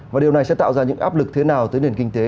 và điều này sẽ tạo ra những áp lực thế nào tới nền kinh tế